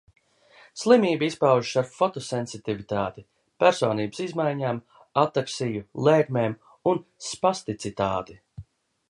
Slimība izpaužas ar fotosensitivitāti, personības izmaiņām, ataksiju, lēkmēm un spasticitāti.